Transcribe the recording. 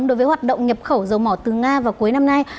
đối với hoạt động nhập khẩu dầu mỏ từ nga vào cuối năm nay